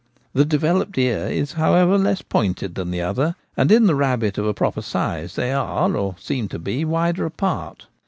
The developed ear is, however, less pointed than the other ; and in the rabbit of a proper size they are or seem to be wider apart.